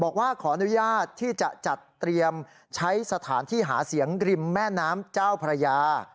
บอกว่าขออนุญาตที่จะจัดเตรียมใช้สถานที่หาเสียงริมแม่น้ำเจ้าพระยา